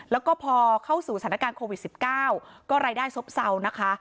แล้วก็พอเข้าสู่สถานการณ์โควิด๑๙ก็รายได้ซบเศร้านะคะ